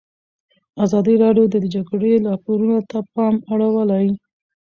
ازادي راډیو د د جګړې راپورونه ته پام اړولی.